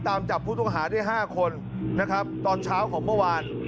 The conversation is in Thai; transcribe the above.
ตามจับผู้ต้องหาได้๕คนนะครับตอนเช้าของเมื่อวาน